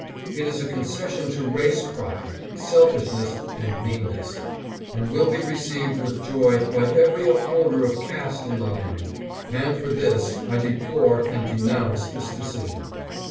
It is a concession to race pride, selfishness, and meanness, and will be received with joy by every upholder of caste in the land, and for this I deplore and denounce this decision.